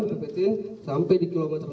di pepetin sampai di kilometer enam